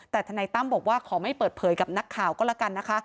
แต่ทนายตั้มบอกว่าขอไม่เปิดเผยกับนักข่าวก็แล้วกันนะคะ